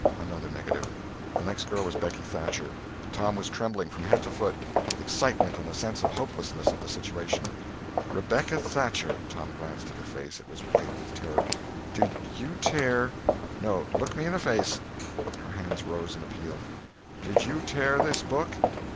Another negative. The next girl was Becky Thatcher. Tom was trembling from head to foot with excitement and a sense of the hopelessness of the situation. "Rebecca Thatcher" [Tom glanced at her face—it was white with terror]—"did you tear—no, look me in the face" [her hands rose in appeal]—"did you tear this book?"